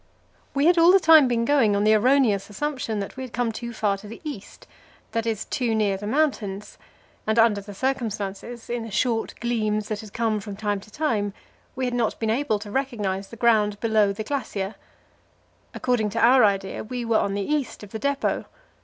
We had all the time been going on the erroneous assumption that we had come too far to the east that is, too near the mountains and under the circumstances in the short gleams that had come from time to time we had not been able to recognize the ground below the glacier. According to our idea, we were on the east of the depot.